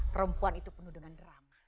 perempuan itu penuh dengan drama